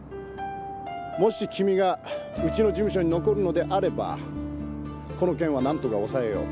もし君がウチの事務所に残るのであればこの件は何とか抑えよう。